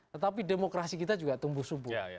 tetapi demokrasi kita juga tumbuh subur